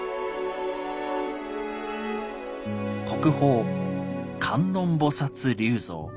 国宝「観音菩立像」。